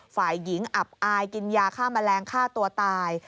ฝ่ายหญิงอับอายกินยาฆ่าแมลงฆ่าตัวตาย